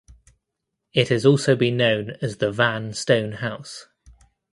It has also been known as the Van Stone House.